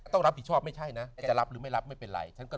ต้องรับผิดชอบไม่ใช่นะจะรับหรือไม่รับไม่เป็นไร